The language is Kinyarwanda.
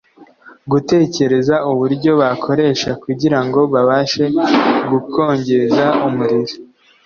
gutekereza uburyo bakoresha kugira ngo babashe gukongeza umuriro